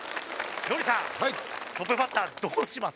ノリさんトップバッターどうします？